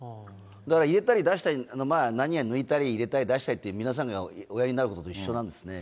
だから、入れたり、出したり、まあなんや抜いたり、入れたり出したりって、皆さんがおやりになることと一緒なんですね。